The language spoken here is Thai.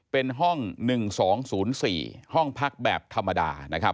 เป็นห้อง๑๒๐๔ห้องพักแบบธรรมดานะครับ